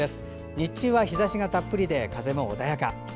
日中は日ざしがたっぷりで風も穏やか。